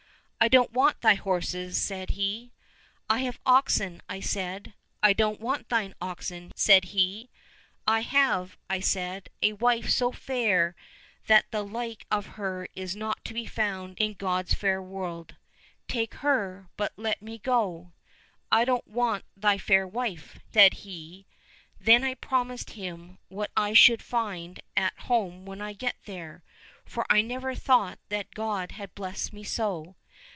—' I don't want thy horses !' said he. —' I have oxen,' I said. —' I don't want thine oxen !' said he. —' I have,' said I, * a wife so fair that the like of her is not to be found in God's fair world ; take her, but let me go.' —' I don't want thy fair wife !' said he. — Then I promised him what I should find at home when I got there, for I never thought that God had blessed me so.